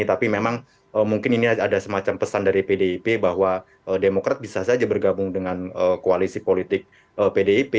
tapi memang mungkin ini ada semacam pesan dari pdip bahwa demokrat bisa saja bergabung dengan koalisi politik pdip